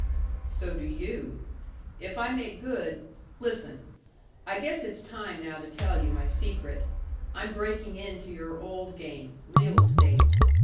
"So do you!... If I make good Listen: I guess it's time now to tell you my secret. I'm breaking into your old game, real estate.